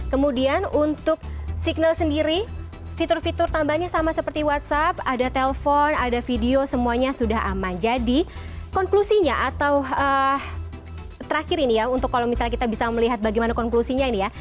kemudian untuk signal sendiri fitur fitur tambahannya sama seperti whatsapp ada telepon ada video semuanya sudah aman jadi konklusinya atau terakhir ini ya untuk kalau misalnya kita bisa melihat bagaimana konklusinya ini ya